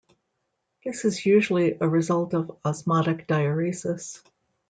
This is usually a result of osmotic diuresis.